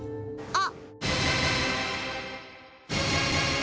あっ！